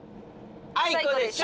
あいこでしょ！